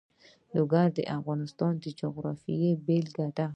لوگر د افغانستان د جغرافیې بېلګه ده.